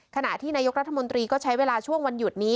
ขณะที่นายกรัฐมนตรีก็ใช้เวลาช่วงวันหยุดนี้